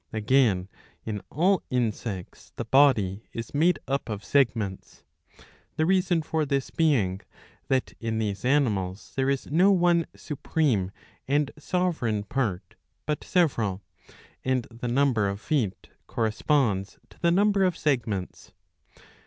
Again in all insects the body is made up of segments — the reason for this being that in these animals there is no one supreme and sovereign part^ but several — and the number of feet corresponds to the number of segments.